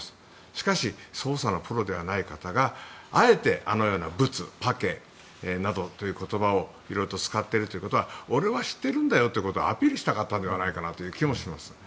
しかし、捜査のプロではない方があえてあのようなブツ、パケなどという言葉をいろいろと使っているということは俺は知ってるんだということをアピールしたかったのではないかという気もします。